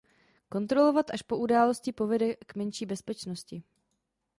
Kontrolovat až po události povede k menší bezpečnosti.